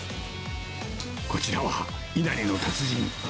こちらはいなりの達人。